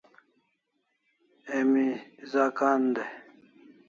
Emi za kan dai